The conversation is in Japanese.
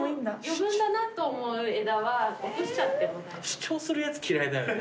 余分だなと思う枝は落としちゃっても大丈夫。